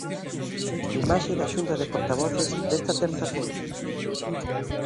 Imaxe da Xunta de Portavoces desta terza feira.